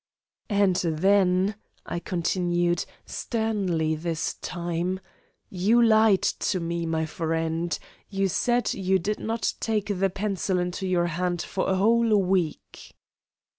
"And then," I continued, sternly this time, "you lied to me, my friend. You said that you did not take the pencil into your hands for a whole week."